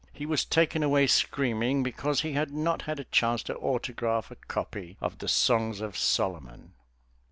He was taken away screaming because he had not had a chance to autograph a copy of the "Songs of Solomon."